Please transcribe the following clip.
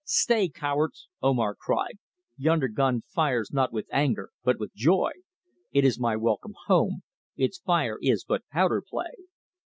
"Stay, cowards!" Omar cried. "Yonder gun fires not with anger, but with joy. It is my welcome home; its fire is but powder play!"